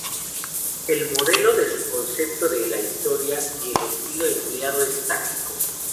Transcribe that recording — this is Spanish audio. El modelo de su concepto de la historia y el estilo empleado es Tácito.